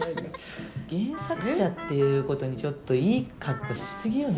原作者っていうことにちょっといい格好しすぎよね。